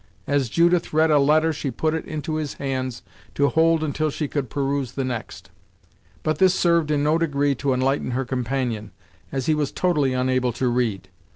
As Judith read a letter she put it into his hands to hold until she could peruse the next; but this served in no degree to enlighten her companion, as he was totally unable to read.